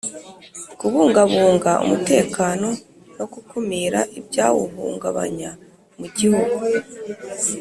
Kubungabunga umutekano no gukumira ibyawuhungabanya mu gihugu